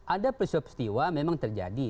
ada persubstiwa memang terjadi